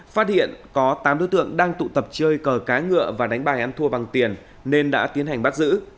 phát hiện có tám đối tượng đang tụ tập chơi cờ cá ngựa và đánh bài ăn thua bằng tiền nên đã tiến hành bắt giữ